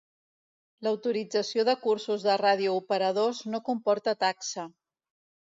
L'autorització de cursos de radiooperadors no comporta taxa.